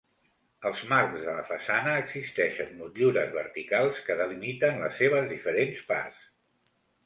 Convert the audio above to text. Als marcs de la façana existeixen motllures verticals que delimiten les seves diferents parts.